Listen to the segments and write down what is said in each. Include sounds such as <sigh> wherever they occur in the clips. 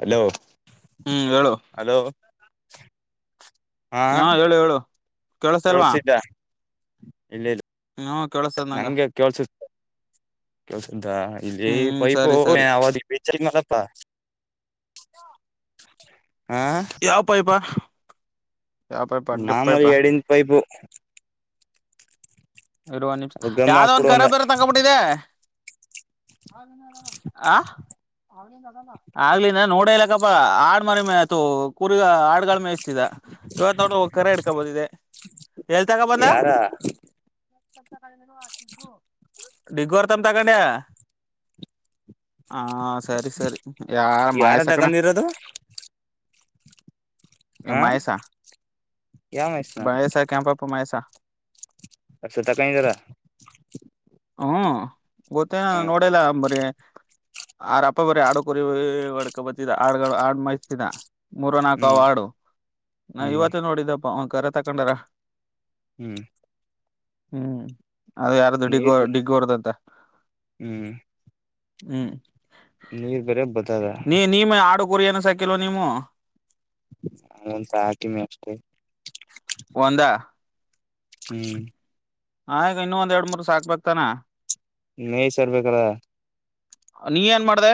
Hello ಹ್ಮ್ ಹೇಳು hello <inaudible> <unintelligible> ಹಾ ಹೇಳು ಹೇಳು ಕೆೇಳಸ ಅಲ್ವಾ ಕೇಳ್ಸಿದ್ದ ಇಲ್ಲ ಇಲ್ಲ ನಾ ನಂಗೆ ಕೇಳಳ್ಸ ಕೆಸ ಸದಾ ಇಲ್ಲಿ ಹ್ಮ್ ಪೈಪ್ ಸರಿ ಸರಿ ಅವದು ಬ ಮಲ್ಲಪ್ಪ ಹ ಯಾವ ಪಾಯಪ ಮಾಮೂಲಿ ಎರಡಿಂದ ಪೈಪು ಇರುವ ನಿಮಿಷ ಅದ ಗಮ್ ಯಾವ್ದ ಒಂದ್ ಹಾಕ್ಬಿಡು ಕರೆ ಅಂದ ಬೇರೆ ತಗೋಬಿಟ್ಟಿದೆ ಹಾ. ಆಗ್ಲಿಲ್ಲ ನೋಡ ಇಲಕ್ಕಪ್ಪಾ ಆ ಮರಿ ಮೆ ಆಯತು ಕು ಆಡ್ಗಳ ಮೆ ಇವತ್ ನೋಡು ಕರೆ ಇಿಡ್ಕೊ ಬಂದಿದೆ ಎಲ್ ತಗೋ ಬಂದ ಯಾರ ಡಿಗ್ಗುರ್ ತಮ್ಮ ತಗೊಂಡ ಹಾ ಸರಿ ಸರಿ ಯಾರ ಮಾಯಸಕಣ ಹ ಮಾಯಸ ಯಾವ ಮನುಷ್ಯನ ಬಳಸ ಕೆ ಪಾಪ ಮೈಸ ಅ ಸತ ಕಾಯಿದ್ದಾರ ಹಾ ಗೊತ್ತೇನ ನೋಡಲ್ಲಂಬರಿ ಆ್ರಪ್ಪ ಬರೀ ಆಡುಕೋರಿಡ್ಕ ಬತ್ತಿದ ಆ ಆಡ್ ಮೈತಿದ ಮೂರ ನಾಕು ಹ್ಮ್ ಹಾಡು ನಾ ಹ್ಮ್ ಇವತ್ತು ನೋಡಿದಪ್ಪ ಕರೆ ತಕೊಂಡಾರ ಹ್ಮ್ ಹ್ಮ್ ಅದು ಯಾರು ದುಡ್ಡಿ ನೀರ್ ಡಿಗ್ಗರ್ದಂತ ಹ್ಮ್ ಹ್ಮ್ ನೀರ್ ಬೇರ ಬದದ ರಿ ಏನು ಸೈಕಲ್ ನೀವು ಹಂತ ಹಾಕಮೆ ಅಷ್ಟೆ ಒಂದ ಹ್ಮ್ ಆಗ ಇನ್ನ ಒಂದ ಎರಡ್ ಮೂರ್ ಸಾಕ್ಬೇಕತಾನ ನೇಯ್ ಸರ್ಬೇಕಲ್ಲ ನೀ ಏನ್ ಮಾಡ್ದ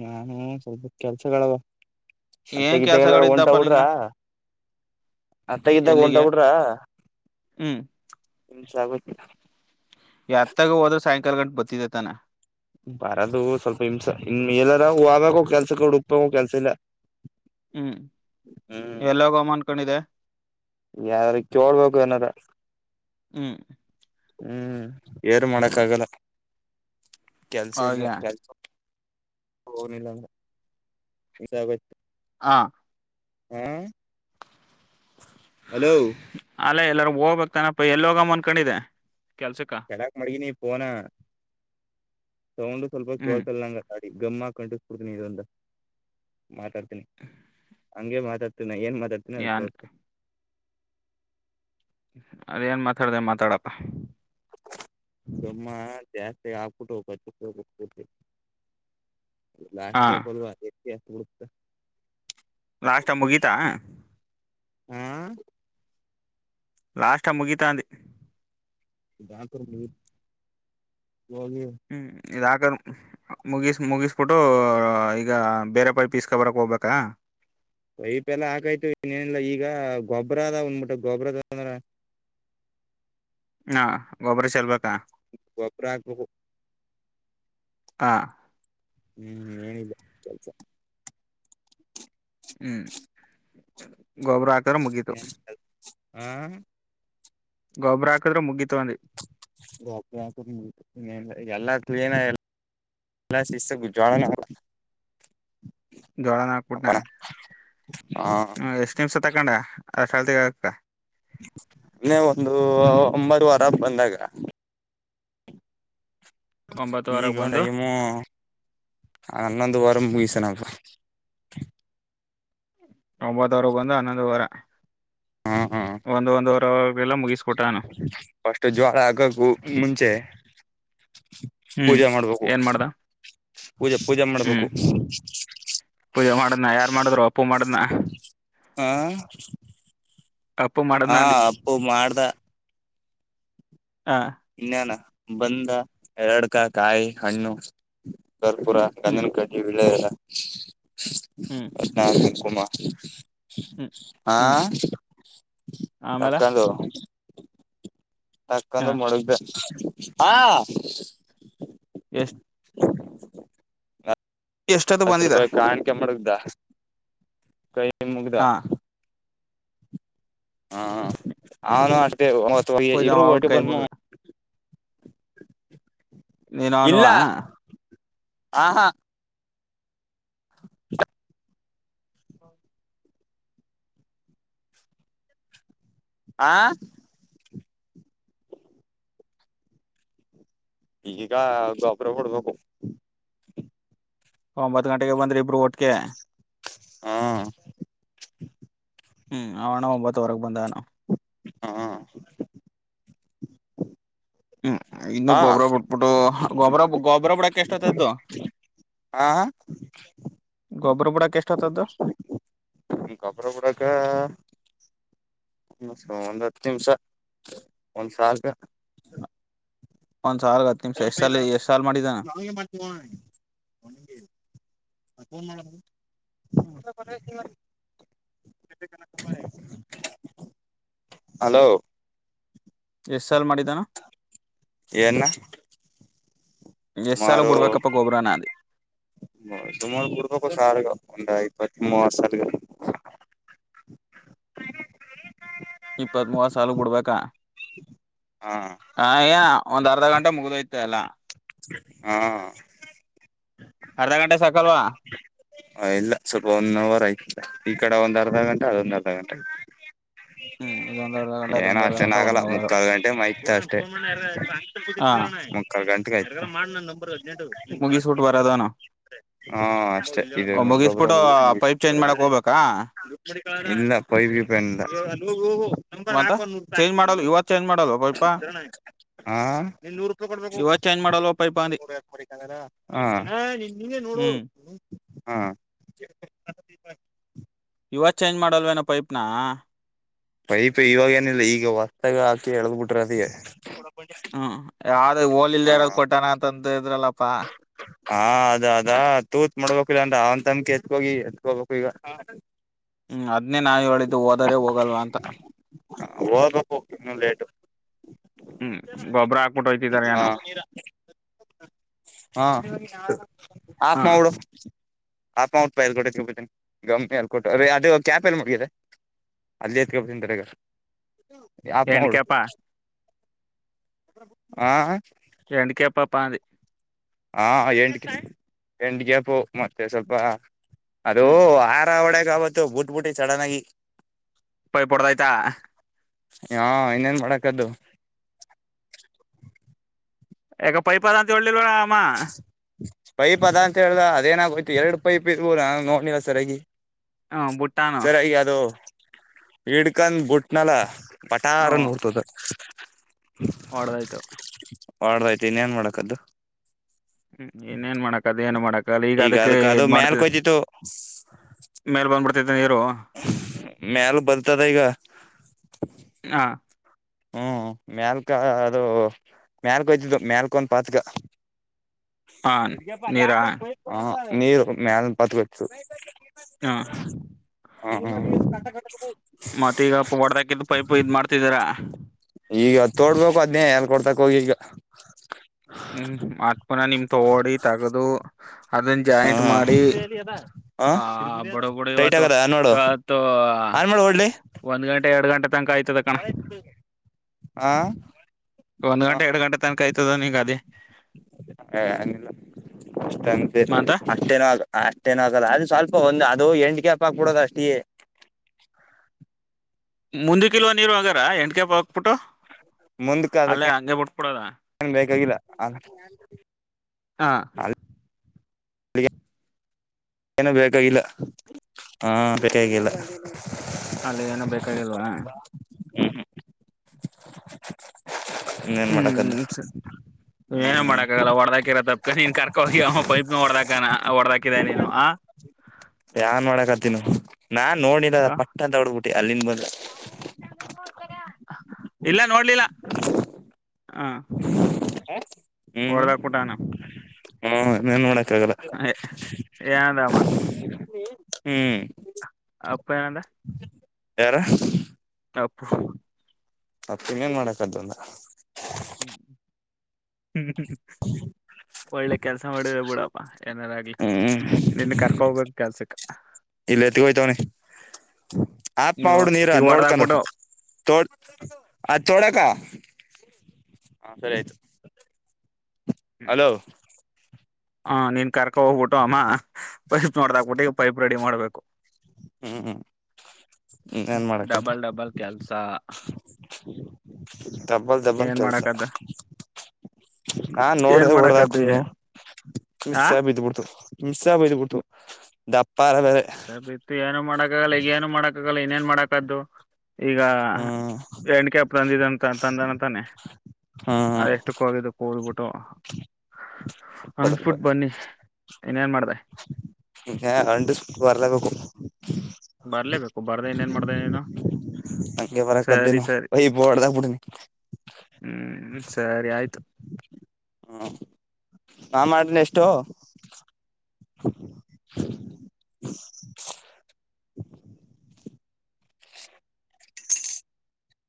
ನಾನು ಸ್ವಲ್ಪ ಕೆಲ್ಸಗಳವ ಏನ್ ಅತ್ತೆಗಿದ್ದಾಗಲ್ಲ ಹೊಂಟ ಕೆಲ್ಸಗಳಿದ್ದಪ್ಪ ಬಿಡ್ರ ನಿಂಗ ಅತ್ತಗಿದ್ದಾಗ ಹೊಂಟ ಎಲ್ಲಿಗೆ ಬಿಡ್ರ ಹ್ಮ್ ಹಸ ಆಗತ್ತ ಅತ್ತಗ ಹೋದ್ರ ಸಾಯಂಕಾಲ ಗಂಟು ಬರ್ತಿದ್ದ ತಾನ ಬರದು ಸ್ವಲ್ಪ ಹಿಂಸ ಇ ಎಲ್ಲಾರ ಹವಾಗ ಕೆಲ್ಸ ಕಡು ಉಪ್ಪಾಗ ಕೆಲ್ಸ ಇಲ್ಲ ಹ್ಮ್ ಎಲ್ಲೋಗ ಅಮ ಅನ್ಕೊಂಡಿದೆ ಯಾರಾರಿಗೆ ಕೇಳ್ಬೇಕು ಏನಾರ ಹ್ಮ್ ಹ್ಮ್ ಏರ ಮಾಡಕ್ಕ ಆಗಲ್ಲ ಕೆಲ್ಸ ಇಲ್ಲ ಹಾಗೆ ಕೆಲ್ಸ ಹೌನಲ್ಲ ಈಸಾಗ ಹಾ ಹ್ಮ್ ಹಲೋ ಅಲ್ಲೇ ಎಲ್ಲರೂ ಹೋಗ್ಬೇಕಕ್ತಾನಪ್ಪ ಎಲ್ಲ ಹೋಗಮ್ಮ ಅಂದಕೊಂಡಿದ್ದೆ ಕೆಡಕ್ ಮಡಗಿನ ಪನ ಸೌಂಡ್ ಸ್ವಲ್ಪ ಹ್ಮ್ ಕೇಳ್ತಲ್ ನಂಗ ಗಮ್ಮ ಕಂಟಿಸ್ಬಡ್ತೀನಿ ಇದಂದ ಮಾತಾಡ್ತೀನಿ ಹಂಗೆ ಮಾತಾಡ್ತವಿ ನ ಏನ್ ಮಾತಾಡ್ತೇ ಅದ್ ಏನ್ ಕೇಳ್ತ ಅದೇಏನ್ ಮಾತಾಡ್ದ ಮಾತಾಡಪ್ಪ ಜಮ್ಮ ಚ ಆ ಕುುಟಕ ಚ ಹಾ ಲಾಸ್ಟ್ ಕ ಪಲ್ುವ ಬಿಡತ ಲಾಸ್ಟ್ ಟಮ್ ಮುಗೀಿತಾ ಹ ಲಾಸ್ ಮುಗಿತಾಂದಿ ಇದಾಕರ ನೀ ಬ ಇದುಾಕ್ರೆ ಮುಗಿಸಿ ಮುಗಿಸ್ಬಿಟ್ಟು ಈಗ ಬೇರೆ ಪೈ ಪೀಸ್ಕ ಬರಕ್ಕೆ ಹೋಗ್ಬೇಕಾ ವೈಪ್ ಎಲ್ಲಾ ಹಾಕಾಯ್ತು ಇನ್ನೇನಿಲ್ಲ ಈಗ ಗೊಬ್ಬ್ರ ಅದ ಉಂದ್ಬಿಟ್ಟ ಗೊಬ್ಬ್ರ ಅದ ಅಂದ್ರ ಹಾ ಗೊಬ್ಬರ ಚೆಲ್ಬೇಕು ಬಪರ ಹ ಹಾ ಹ್ಮ್ ಏನಿಲ್ಲ ಕೆಲ್ಸ ಹ್ಮ್ ಗೊಬ್ಬರಾ ತರ ಮುಗಿತು ಹ್ಮ ಗೊಬ್ಬ್ರ ಹಾಕದ್ರೆ ಮುಗ್ಗಿಿತಗೊಂಡಿ ಎಲ್ಲ ಕ್ಲೀನ್ಲ್ಲ ಶಿಸ್ತಜ್ವಾಳ ಜೋಳನ ಹಾಕ್ಬುಟನಾ ಹ ಹ್ಮ ಎಷ್ಟ್ ನಿಮ್ಷ ತಕೊಂಡ ಆಸಲ್ತಿಗಕ್ಕ ಒಂದು ಒಂಬರುವ ವಾರ ಬಂದಾಗ ಒಂಬತ್ತುವರೆಗೆ ಬಂದು ಈಗೊಂಡಗಮು ಹನ್ನೊಂದು ವಾರ ಮುಗಸನ ಒಂಬತ್ತ ವರೆ ಬಂದು ಹನ್ನೊಂದು ವಾರ ಹಾ ಹಾ ಮುಗಿಸ್ಬಿಟ್ಟಾನು ಅಷ್ಟು ಜ್ವಳ ಆಗಕ್ಕು ಮುಂಚೆ <inaudible> ಹ್ಮ್ ಪೂಜೆ ಮಾಡ್ಬೇಕು ಏನ್ ಮಾಡ್ದ ಪೂಜೆ ಪೂಜೆ ಹ್ಮ್ ಮಾಡ್ಬೇಕು ಪೂಜೆ ಮಾಡದ್ನ ಯಾರ್ ಮಾಡಿದ್ರು ಅಪ್ಪು ಮಾಡ್ನ ಹಾ ಅಪ್ಪು ಹ ಮಾಡದ್ನ ಅಂದಿ ಅಪ್ಪು ಮಾಡ್ದ ಹ ಇನ್ಾನ ಬಂದ ಎರಡ್ಕ ಕಾಯಿ ಹಣ್ಣು ಕರ್ಪೂರ ಹ್ಮ್ ಗಂಜನಕಡ್ಡಿ ವಿಳೆ ಎಲ್ಲ ಹ್ಮ್ ಹ ಷ್ಟ ಅಮ್ಮ ಹ್ಮ್ ಹಾ ಹ್ಮ್ ಆಮೇಲೆ ಸಾಕಂತು ಹ ತಕ್ಕಂದ ಮೊಗ್್ದ ಹಾ ಎಸ್ ಎಷ್ಟೊತ್ತು ಹತ್ತು ಬಂದಿದ ರೂಪಾಯಿ ಕಾಣಿಕೆ ಮಾಡಡಗ್ದಾ ಕೈ ನಿ ಮುಗದ ಹಾ ಹಾ ಅವನು ಮಾಡ ಪೂಜಾ ಇಬ್ರು ಮಾಡ್ಬಿಟ್ಟು ಹೊಟ್ಟಿ ಕೈ ಬಂದು ಮುಗ್ದ ನೀನು ಇಲ್ಲ ಅನುವಾ ಆ ಹಾ <inaudible> <unintelligible> ಆ ಈಗೀಗ ಗೊಬರ ಹೊಡ್ಬೇಕು ಒಂಬತ್ತು ಗಂಟೆಗೆ ಬಂದ್ರಿ ಇಬ್ರು ಒಟ್ಗೆ ಹಾ ಹ್ಮ್ ಅವಣ ಒಂಬತ್ತವರೆಗೆ ಬಂದಾನು ಹಾ ಹ್ಮ್ ಇನ್ನು ಆ ಗೊಬ್ರಬ್ ಬಿಟ್ಬಿಟ್ಟು ಗೊಬ ಗೊಬರಳ ಎಷ್ಟ ಹೊತದ್ದು ಹಾ ಗೊಬ್ಬರ ಬುಡಾಕ್ಕೆ ಎಷ್ಟತದ್ದು ಕಬರ ಬಿಡಾಕ್ಕ ಹ ಒಂದ್ ಹತ್ತು ನಿಮಿಷ ಒಂದ್ ಸಲ್ ಒಂದ್ ಸಾಲ್ಗೆ ಹತ್ತು ನಿಮಿಷ ಫೋನ ಎಷ್ಟ್ ಪೈ ಸಾಲ ಎಷ್ಟ್ ಸಾಲ್ ಮಾಡಿದಾನ ಮಾವ ಹ ಮಾಡ ಹಲೋ ಎಷ್ಟ ಸಲ್ ಮಾಡಿದ್ದಾನ ತುಮಾರು ಅಂದೆ ತು ಗೂರ್ಕ ಸಾರ ಒಟ ಪತ್ತ ಮರ್ಷ ಇಪ್ಪತ್ತ್ ಮೂೂವ ಸಾಲು ಬಿಡ್ಬೇಕಾ ಹಾ ಹ ಒಂದ್ ಅರ್ಧ ಗಂಟೆ ಮುಗಿದಯ್ತಲ್ಲಾ ಹಾ ಅರ್ಧಾ ಂಟೆ ಸಕಲ್ವಾ ಹ ಇಲ್ಲ ಸ್ವಲ್ಪ ಒಂದ್ ಅವರ್ ಆಯ್ತಲ್ಲ ಈ ಕಡೆ ಒಂದ್ ಅರ್ಧ ಗಂಟೆ ಅದೊಂದ್ ಅರ್ಧ ಗಂಟೆ ಆಯ್ತು ಹ್ಮ್ ಇದೊಂದ್ ಅರ್ಧ ಗಂಟೆ ಏನೋ ಅದೊಂದ್ ಅರ್ಧ ಅಷ್ಟೇನ ಗಂಟೆ ಆಗಲ್ಲ ಒನ್ ಅವರ್ ಮುಕ್ಕಾಲ್ ಗಂಟೆ ಮೈತ್ ಅಷ್ಟೇ ಹಾ ಮುಕ್ಕಾಲ್ ಗಂಟೆ ಸ ಮಾಡ್ಣ ನಂಬರ್ ಮುಗಿಸ್ಬಿಟ್ಟು ಬರೋದನು ಹಾ ಅಷ್ಟೇ ಇದ ಗೊಬ್ಬರ ಮುಗಿಸ್ಬಿಟ್ಟು ಪೈಪ್ ಚೇಂಜ್ ಮೂವರ ಮಾಡಕ್ ಹೋಗ್ಬೇಕಾ ಇಲ್ಲ ಪೈ ಬಿ ಪ್ಯಾನ್ಲ್ಲ ನಂಬರ್ ಮತ್ತ ಹಾಕ ಒಂದ್ ಚೇಂಜ್ ಮಾಡಲ್ ನೂರುೂಪಾಯಿ ಇವತ್ ಚೇಂಜ್ ಮಾಡಲ್ವ ಪೈಪ ಆಗ್ತ ನೀ ನೂರು ರೂಪಾಯ ಕೊಡ್ಬೇಕು ಇವತ್ ಚೇಂಜ್ ಮಾಡಲ್ವ ಪೈಪ ಅಂದಿ ಹ ನೀನ್ ನಿ ನೋಡು ಹ್ಮ್ ಹಾಂ ಇವಾಗ ಚೇಂಜ್ ಮಾಡಲ್ವೇನೋ ಪೈಪ್ನಾ ಪೈಪ್ ಇವಾಗ ಏನಿಲ್ಲ ಈಗ ಹೊತ್ತಾಗ ಹಾಕಿ ಎಳದ್ ಬಿಿಟ್ರಿ ಅದಗೆ ಯ ಹೋಲ್ ಇಲ್ದೆ ಯಾರೋ್ ಕೊೋಣ ಅಂತ ಇದ್ರಲ್ಲಪ್ಪಾ ಹಾ ಅದ ಅದಾ ತೂತ್ ಮಾಡ್ಬೇಕಕ್ಿಲ್ಲಾನ್ ಅವನ್ ತಮಕಿ ಎತ್ಕೋಗಿ ಎತ್ಕೋಬೇಕು ಈಗ ಹ್ಮ್ ಅದ್ನೇ ನಾ ಹೇಳಿದ್ದು ಹೋದರೆ ಹೋಗಲ್ವಾ ಅಂತ ಹೋಗ್ಬೇಕು ಇನ್ನು ಲೇಟು ಹ್ಮ್ ಗೊಬ್ಬರ ಹಾಕ್ಬಿಟ್ಟು ಹಯ್ತಿದ್ದಾರೆ ಹ ನು ಹಾ ಹ ಆಪ ಉಟ್ಪ ಎಲ್ ಕೊಟ್ಟೆಿ ಗಮಿ ಎಲ್ ಕೊಟ್ಟೀ ಅದು ಕ್ಯಾಪ್ ಎಲ್ಲಿ ಮುಗಿದೆ ಅಲ್ಲಿ ತ್ಕಪ್ಪ ತಿಂತರಗ ಯಾಪ್ ಮಾಡಡು ಎಂಡ್ಕೇಪ ಹಾ ಎಂಡ ಕೇಪಾ ಪ ಅದೆಿ ಹಾ ಎಂಡ ಹೆಂಡಗಪು ಮತ್ತೆ ಸ್ವಲ್ಪ ಅದು ಹ್ಮ್ ಆಹಾರ ಒಡೆ ವತ್ತು ಬುಟ್ ಬುಟ್ಟಿ ಚಡನ್ ಆಗಿ ಪಯ ಪುಡದಐತ ಹಾ ಇನ್ನೇನ್ ಮಾಡಾಕದ್ದು ಎ ಪೈಪಾದ ಅಂತ ಒ ಬಳಾಮಾ ಪೈಪ್ ಅದ ಅಂತ ಹೇಳ್ದ ಅದೇನ ಆಾಗೋಯ್ತು ಎರಡು ಪೈಪ್ ಇದ್ ನಾ ನೋಡ್ಲಿಲ್ಲ ಸರಿಯಾಗಿ ಹಾ ಭೂಟಾನ ಹಡ್ಕಂದ ಬುಟ್ನಲ್ಲ ಪಟಾರ ನೋಡ್ತದ ಒಡದಾಯ್ತು ಮಾಡ್ದಾಯ್ತತಿ ಇನ್ ಏನ್ ಮಾಡಕದ್ದು ಹ್ಮ್ ಇನ್ೇನ್ ಮಾಡಕ ಅದ ಏನ್ ಮಾಡಕ ಈಗ ಅದಕ್ಕೆ ಅದಕ್ ಅದು ಇದ್ ಮಾಡ್ತ ಮ್ಯಾಲ್ಕ್ ಹೋಯ್ತಿತ್ತು ಮೇಲ್ ಬಂದ್ಬಿಡ್ತ ನೀರು ಮ್ಯಾಲ್ ಬರ್ತದ ಈಗ ಹಾ ಹ್ಮ್ ಮ್ಯಲ್ಕ ಅದು ಮ್ಯಲ್ಕಯ್ತಿದ್ದು ಮ್ಯಲ್ಕ ಒಂದ್ ಪಾತ್ಕ ಹ ತಿರ್ಗಪ್ಪ ಅ ನೀರಾ ಯಾಕ್ಬಡ್ತ ನೀರು ಮ್ಯಾಲ ಬತ್ಕು ಹಾ ಮತ್ತ ಈಗ ಹೊಡದಾಕಿದ್ದು ಪೈಪ್ ಇದ್ ಮಾಡ್ತಿದ್ದಾರಾ ಈಗ ತೋಡ್ಬೇಕು ಅದ್ನೇ ಕೊಡ್ತಾಕ್ ಹೋಗಿ ಈಗ ಹ್ಮ್ ಮತ್ಕುನ ನಿಮ್ ತಗಡಿ ತಗದು ಅದನ್ನ ಜಾಯಿಂಟ್ ಮಾಡಿ ಹ ಬಡ ಬಡ ಟೈಟ್ ಇವತ್ತು ಆಗದ ನೋಡು ಇವತ್ತು ಆನ್ ಮಾಡು ಹೊಡ್ಲಿ ಒಂದ್ ಗಂಟೆ ಎರಡು ಗಂಟೆ ತನಕ ಆಯ್ತದ ಕಣ ಹ ಒಂದ್ ಗಂಟೆ ಎರಡು ಗಂಟೆ ತನಕ ಆಯ್ತದ ನೀಗ ಅದೇ ಹ ಅ ಅಷ್ಟ ಅಂತ ಅಷ್ಟೇನೋ ಆ ಅಷ್ಟೇನ ಆಗಲ್ಲ ಅ ಸ್ವಲ್ಪ ಒಂದ ಅದು ಎಂಡ್ಗ್ಯ ಹಪ್ಪ ಹಾಕ್ಬ ಬಿಡೋದು ಅಷ್ಟೇ ಮುಂದ ಕಿಲವ ನೀರು ಹಗಾರ ಎಂಟ್ಟಗ್ಯಪ ಹಾಕ್ಬಿಟ್ಟು ಮುಂದಕ್ಕೆ ಅದಕ್ಕೆ ಕೂಡದಾ ನನ್ ಬಾಗಿಲ್ಲ ಹಾ ಏನು ಬೇಕಾಗಿಲ್ಲ ಹಾ ಬೇಕಾಗಿಲ್ಲ ಅಲ್ಲಿ ಏನು ಬೇಕಾಗಿಲ್ವಾ ಹ್ಮ್ ಹ್ಮ್ ಹ್ಮ್ ಸ ಏನ ಹ್ಮ್ ಮಾಡಕ್ಕ ಆಾಗಲ್ಲ ಹೊಡದಾಕಿರ ತಪ್ಕ ನೀನ್ ಕರ್ಕ ಹೋಗಿ ಅವ ಪೈಪ್ನ ಹೊಡದಾಕಾನ ಹೊಡದಾಕಿದ ನೀನು ಯಾನ್ ಮಾಡಕತಿನ ನಾನ್ ನೋಡಿಲ್ಲ ಅ ಪಟ್ಟ ಅಂತ ಹೊಡಡ್ಬಿಟ್ಟು ಗ ಅಲಿಮ ಬಲ ಇಲ್ಲ ನೋಡ್ಲಿಲ್ಲ ಹ ಹ್ಮ್ ಹೊಡೆದಬಿಟ್ಟವ್ನೆ ಹ್ಮ್ ಇನ್ನೇನ್ ಮಾಡಕ್ ಆಗಲ್ಲ ನ ದಮ್ಮ ಹ್ಮ್ ಅಪ್ಪ ಏನಂದ ಯಾರ ಅಪ್ಪು ಮತ್ತಂಗ ಏನ್ ಮಾಡಾಕದ್ದಂದ ಹ್ಮ್ ಹ್ಮ ಒಳ್ಳೆ ಕೆಲ್ಸ ಮಾಡುದೆ ಬಿಡಪ್ಪ ಏನಾರ ಆಗ್ಲಿ ಹ್ಮ್ ನಿನ್ ಕರ್ಕ ಹೋಗ್ಬೇಕ ಕೆಲ್ಸಕ್ ಇಲ್ಲ ಎತ್ತಗೋಯ್ತವನಿ ಆಪ್ ನೀವು ಮಾಡು ನೀರ ಈಗ ಅದ್ ನೋಡ್ಕೊಂಡು ಹೊಡದಾಕ್ಬಿಟ್ಟು ತೋಡ್ ಅದ್ ತೋಡಕ ಹಾ ಸರಿ ಆಯ್ತು ಹಲೋ ಹಾ ನೀನ್ ಕರ ಕ ಹೋಗ್ಬಿಟ್ಟು ಅಮ್ಮ ಪೈಪ್ ನೋಡ್ದಾಕ್ಬಿಟ್ಟ ಈ ಪೈಪ್ ರೆಡಿ ಮಾಡ್ಬೇಕು ಹ್ಮ್ ಹ್ಮ್ ಏನ್ ಮಾಡಕದ್ದು ಡಬಲ್ ಡಬಲ್ ಕೆಲ್ಸ <inaudible> ಡಬ್ಬಲ್ ಡಬ್ಬಲ್ ಏನ್ ಕೆಲ್ಸ ಮಾಡಕದ ನಾನ್ ನೋಡ್ದ ಏನ್ ಮಾಡಕದ ಹೊಡೆದಾಕಿದ್ನೋ ಆ ಮಿಸ್ಸಾಗ್ ಬಿದ್ಬಿಡ್ತು ಮಿಸ್ಸಾಗ್ ಬಿದ್ಬಿಡ್ತು ದಪ್ ಮಿಸ್ಸಾಗ್ ಬಿತ್ತು ಏನು ಮಾಡಕ್ಕಾಗಲ್ಲ ಏನು ಮಾಡಕಾಗಲ್ಲ ಏನ್ ಮಾಡಕದ್ದು ಈಗ ಹ್ಮ್ ಎಂಡಿಕ್ಯಾಪ್ ಬಂದಿದೆ ಅಂತ ತಂದನ ತಾನೆ ಹ್ಮ್ ಅದು ಎಷ್ಟು ಕೋಗಿದ ಕೋಗಬಿಟ್ಟು ತ ಹಂಗಫುಟ್ ಬನ್ನಿ ಇನ್ನೇನ್ ಮಾಡ್ದ ಹ ಅಂಡ ಬರ್ಲೇಬೇಕು ಬರರ್ಲೇಬೇಕು ಬರ್ದ ಇನೇನ್ ಮಾಡ್ದನ ಹಂಗೆ ಬರದ್ದೇನು ವೈ ಬಡ್ದ ಬಿುಡನಿ ಹ್ಮ್ ಸರಿ ಆಯ್ತು ನಾನ್ ಮಾಡ್ದನ ಎಷ್ಟು